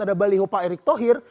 ada baliho pak erick thohir